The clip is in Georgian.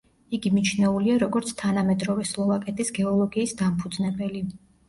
იგი მიჩნეულია, როგორც თანამედროვე სლოვაკეთის გეოლოგიის დამფუძნებელი.